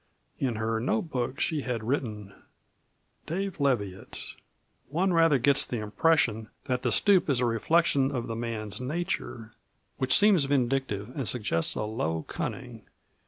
In her note book had been written: "Dave Leviatt. ... One rather gets the impression that the stoop is a reflection of the man's nature, which seems vindictive and suggests a low cunning.